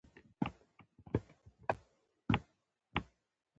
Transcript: دا له پېړیو راهیسې زموږ د ادارې عنعنوي سیستم وو.